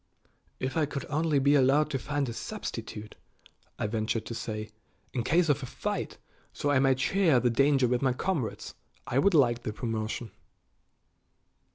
"If I could only be allowed to find a substitute," I ventured to say, "in case of a fight, so I might share the danger with my comrades, I would like the promotion."